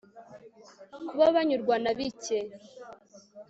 kuba banyurwa na bike